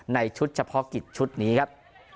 ในชุดเฉพาะกิจชุดนี้ครับ